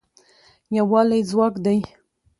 یووالی ځواک دی